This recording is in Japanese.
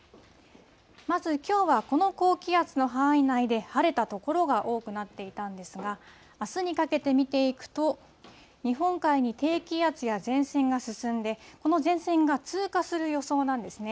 まずきょうはこの高気圧の範囲内で晴れた所が多くなっていたんですが、あすにかけて見ていくと、日本海に低気圧や前線が進んで、この前線が通過する予想なんですね。